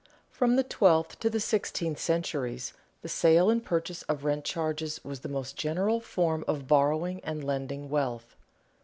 _From the twelfth to the sixteenth centuries the sale and purchase of rent charges was the most general form of borrowing and lending wealth.